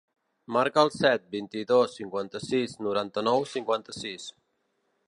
Marca el set, vint-i-dos, cinquanta-sis, noranta-nou, cinquanta-sis.